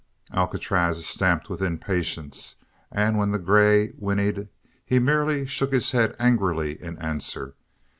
Alcatraz stamped with impatience and when the grey whinnied he merely shook his head angrily in answer.